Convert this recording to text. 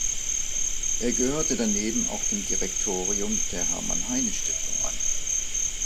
Er gehörte daneben auch dem Direktorium der "Hermann-Heine-Stiftung" an.